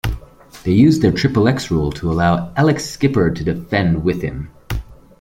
They used their "Triple X Rule" to allow Elix Skipper to defend with him.